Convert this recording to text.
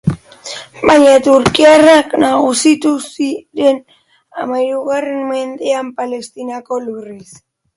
Baina turkiarrak nagusitu ziren hamahirugarren mendean Palestinako lurrez.